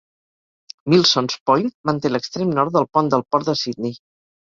Milsons Point manté l'extrem nord del Pont del Port de Sydney.